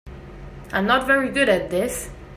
I'm not very good at this.